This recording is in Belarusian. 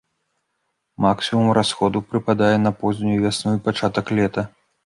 Максімум расходу прыпадае на познюю вясну і пачатак лета.